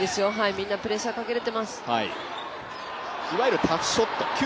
みんなプレッシャーかけれてます